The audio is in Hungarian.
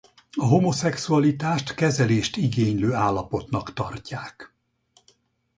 A homoszexualitást kezelést igénylő állapotnak tartják.